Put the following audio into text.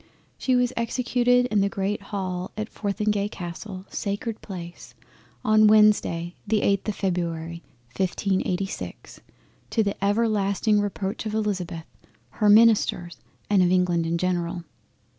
She was executed in the Great Hall at Fortheringay Castle (sacred Place!) on Wednesday the 8th of February 1586—to the everlasting Reproach of Elizabeth, her Ministers, and of England in general.